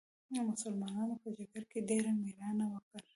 مسلمانانو په جګړه کې ډېره مېړانه وکړه.